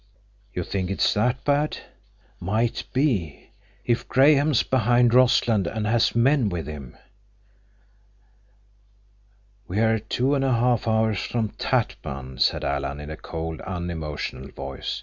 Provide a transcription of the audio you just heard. "You think it's that bad?" "Might be. If Graham's behind Rossland and has men with him—" "We're two and a half hours from Tatpan," said Alan, in a cold, unemotional voice.